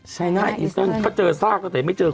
ใช้งานอินเติร์นเขาเจอซากแต่ไม่เจอคน